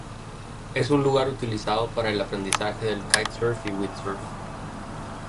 Es un lugar utilizado para el aprendizaje del kitesurf y el windsurf.